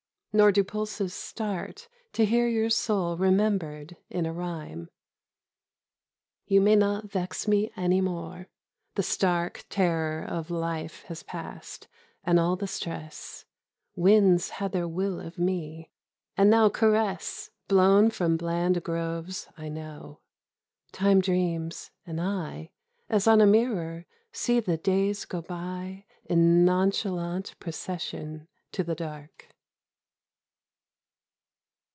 Nor do pulses start To hear your soul remembered in a rhyme. You may not vex me any more. The stark Terror of life has passed, and all the stress. Winds had their will of me, and now caress, Blown from bland groves I know. Time dreams, and I, As on a mirror, see the days go by In nonchalant procession to the dark.